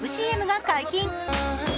ＣＭが解禁。